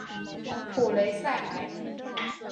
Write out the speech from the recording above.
普雷赛莱。